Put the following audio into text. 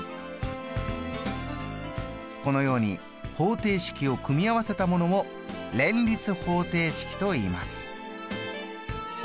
このように方程式を組み合わせたものを連立方程式といいます。